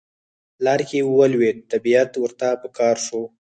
لار کې ولوید طبیعت ورته په قار شو.